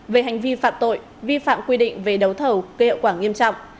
về hành vi phạm tội vi phạm quy định về đấu thầu gây hậu quả nghiêm trọng